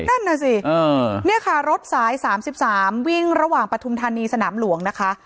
นั่นน่ะสิเนี่ยค่ะรถสาย๓๓วิ่งระหว่างปฐุมธานีสนามหลวงนะคะ